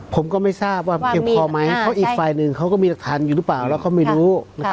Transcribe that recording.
ผมก็ไม่ทราบว่าเก็บพอไหมเพราะอีกฝ่ายหนึ่งเขาก็มีหลักฐานอยู่หรือเปล่าแล้วก็ไม่รู้